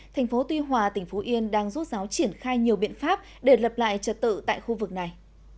thành phố tuy hòa tỉnh phú yên đang rút ráo triển khai nhiều biện pháp để lập lại trật tự tại khu vực này